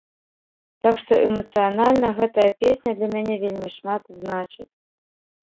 Так што эмацыянальна гэтая песня для мяне вельмі шмат значыць.